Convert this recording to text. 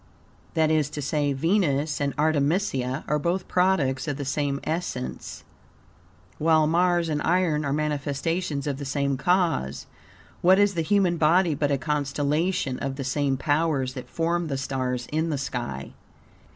That is to say, Venus and Artemisia are both products of the same essence, while Mars and iron are manifestations of the same cause. What is the human body but a constellation of the same powers that formed the stars in the sky?